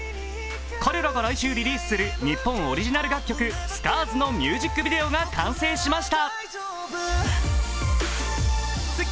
彼らが来週、リリースする日本オリジナル楽曲「Ｓｃａｒｓ」がのミュージックビデオが完成しました。